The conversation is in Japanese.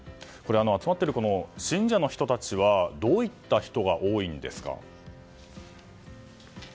集まっている信者の人たちはどういった人が多いんですか。